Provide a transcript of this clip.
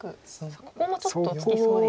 ここもちょっとつきそうです。